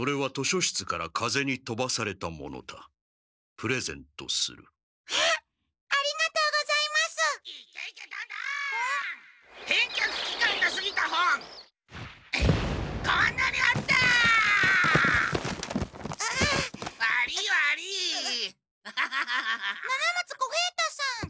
七松小平太さん！